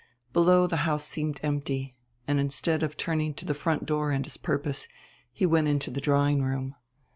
Below, the house seemed empty; and, instead of turning to the front door and his purpose, he went into the drawing room.